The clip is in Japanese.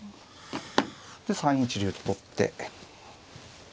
で３一竜と取って。